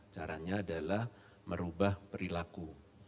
caranya adalah merubah perilaku